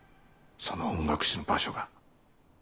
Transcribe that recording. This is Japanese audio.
その音楽室の場所が。